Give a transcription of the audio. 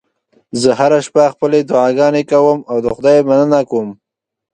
زه هره شپه خپلې دعاګانې کوم او د خدای مننه کوم